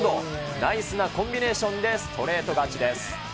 ナイスなコンビネーションでストレート勝ちです。